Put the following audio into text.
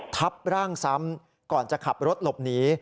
ทับร่างซ้ำก่อนจะขับรถหลบหนี